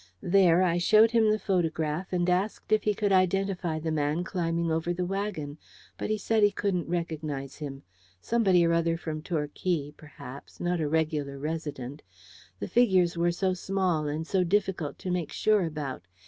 There I showed him the photograph, and asked if he could identify the man climbing over the wagon: but he said he couldn't recognise him. Somebody or other from Torquay, perhaps; not a regular resident. The figures were so small, and so difficult to make sure about.